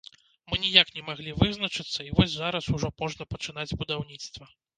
Мы ніяк не малі вызначыцца, і вось зараз ужо можна пачынаць будаўніцтва.